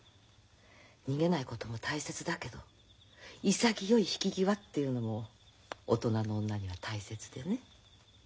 逃げないことも大切だけど潔い引き際っていうのも大人の女には大切でね。